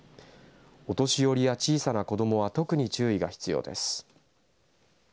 お年寄りや小さな子どもは特に注意が必要です。